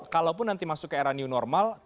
kalaupun nanti masuk ke era new normal